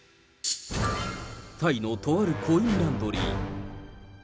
タイのとあるコインランドリー。